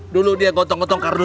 dulu dia gotong gotong kardus